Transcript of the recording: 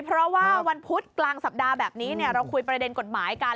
เพราะว่าวันพุธกลางสัปดาห์แบบนี้เราคุยประเด็นกฎหมายกัน